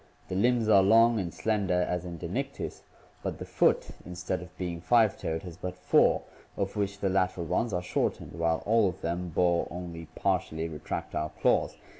The limbs are long and slender as in Dinictis, but the foot, instead of being five toed, has but four, of which the lateral ones are shortened; while all of them bore only partially retractile claws.